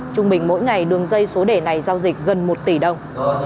trung bình mỗi ngày đường dây số đề này giao dịch gần một tỷ đồng